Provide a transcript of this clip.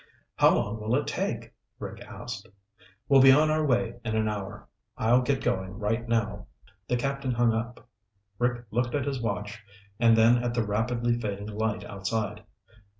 "How long will it take?" Rick asked. "We'll be on our way in an hour. I'll get going right now." The captain hung up. Rick looked at his watch and then at the rapidly fading light outside.